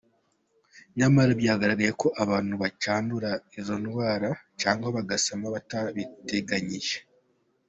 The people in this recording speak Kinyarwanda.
Nyamara byagaragaye ko abantu bacyandura izo ndwara cyangwa bagasama batabiteganyije.